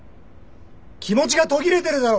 気持ちが途切れてるだろ！